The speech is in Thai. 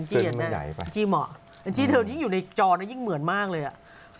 อันจี้เครื่องนี้ไม่ใหญ่ไปอันจี้เธออยู่ในจอยิ่งเหมือนมากเลยอ่ะ